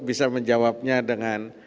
bisa menjawabnya dengan